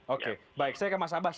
oke baik saya ke mas abbas